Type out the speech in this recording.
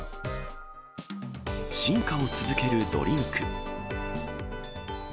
進化を続けるドリンク。